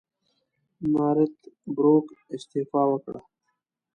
نارت بروک استعفی وکړه.